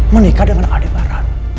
menikah dengan adik barat